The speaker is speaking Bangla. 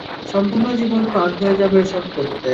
সম্পূর্ণ জীবন পার হয়ে যাবে এসব করতে।